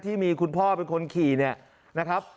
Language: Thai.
ที่มีคุณพ่อเป็นคนขี่เนี่ยนะครับ